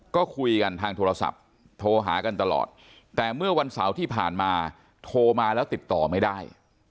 ก็คุยกันทางโทรศัพท์โทรหากันตลอดแต่เมื่อวันเสาร์ที่ผ่านมาโทรมาแล้วติดต่อไม่ได้